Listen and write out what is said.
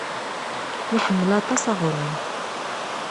Iḥemmel aṭas aɣrum.